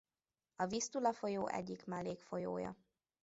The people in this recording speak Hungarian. A Visztula folyó egyik mellékfolyója.